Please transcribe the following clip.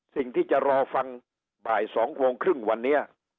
สิ่งที่จะรอฟังบ่าย๒โมงครึ่งวันนี้